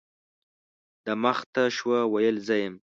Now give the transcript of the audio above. دا مخ ته شوه ، ویل زه یم .